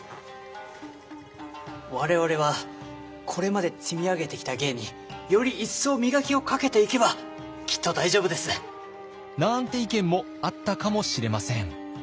我々はこれまで積み上げてきた芸により一層磨きをかけていけばきっと大丈夫です。なんて意見もあったかもしれません。